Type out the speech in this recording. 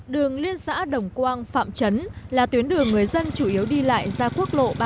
đường liên xã đồng quang phạm chấn là tuyến đường người dân chủ yếu đi lại ra quốc lộ ba mươi tám b